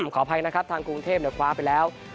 ขออภัยนะครับทางกรุงเทพคว้าไปแล้ว